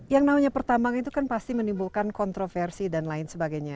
yang namanya pertambangan itu kan pasti menimbulkan kontroversi dan lain sebagainya